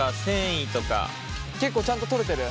結構ちゃんと取れてる？